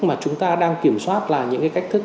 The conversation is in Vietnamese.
mà chúng ta đang kiểm soát là những cái cách thức